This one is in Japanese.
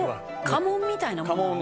「家紋みたいなものなのね」